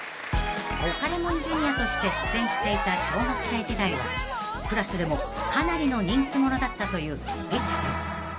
［オカレモンＪｒ．として出演していた小学生時代はクラスでもかなりの人気者だったという利久さん］